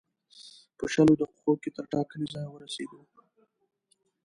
په شلو دقیقو کې تر ټاکلي ځایه ورسېدو.